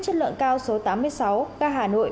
chất lượng cao số tám mươi sáu ga hà nội